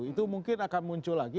itu mungkin akan muncul lagi